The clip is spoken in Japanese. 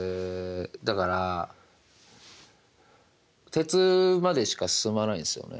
鉄までしか進まないんですよね。